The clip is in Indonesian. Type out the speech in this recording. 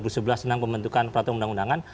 tentang pembentukan peraturan undang undangan